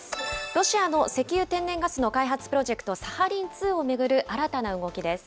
ロシアの石油、天然ガスの開発プロジェクト、サハリン２を巡る新たな動きです。